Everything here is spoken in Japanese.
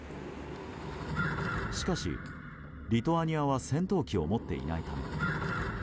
しかし、リトアニアは戦闘機を持っていないため。